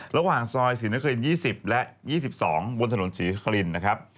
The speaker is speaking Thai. ระหว่างซอยศรีนคริน๒๐และ๒๒บนถนนศรีนครินนะครับ